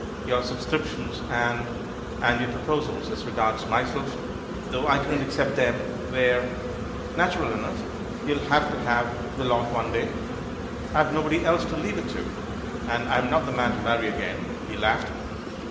Your subscriptions, and — and your proposals as regards myself, though I couldn't accept them, were " "Natural enough! You'll have to have the lot one day — I've nobody else to leave it to, and I'm not the man to marry again." He laughed.